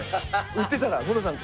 売ってたらムロさん